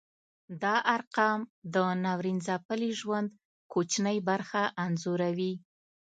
دا ارقام د ناورین ځپلي ژوند کوچنۍ برخه انځوروي.